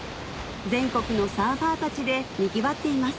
全国のサーファーたちでにぎわっています